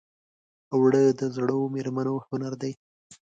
اوړه د زړو مېرمنو هنر دی